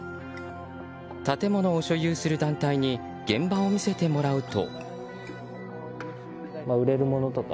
建物を所有する団体に現場を見せてもらうと。